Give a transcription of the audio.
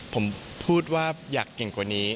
ผมพูดว่าอยากเก่งกว่านี้